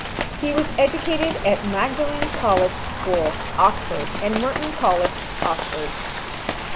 He was educated at Magdalen College School, Oxford and Merton College, Oxford.